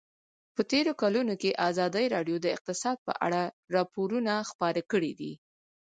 په تېرو کلونو کې ازادي راډیو د اقتصاد په اړه راپورونه خپاره کړي دي.